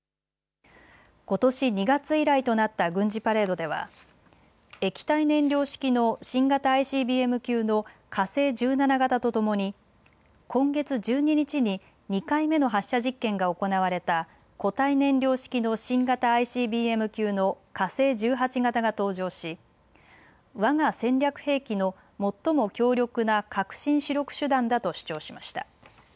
ことし２月以来となった軍事パレードでは液体燃料式の新型ＩＣＢＭ級の火星１７型とともに今月１２日に２回目の発射実験が行われた固体燃料式の新型ＩＣＢＭ級の火星１８型が登場しわが戦略兵器の最も強力な核心主力手段だと主張しました。